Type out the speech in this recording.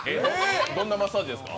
どんなマッサージですか？